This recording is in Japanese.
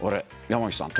山内さん